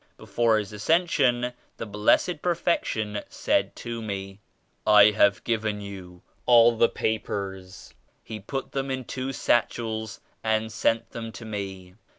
Before His As cension, the Blessed Perfection said to me *I have given you all the papers.' He put them in two satchels and sent them to me.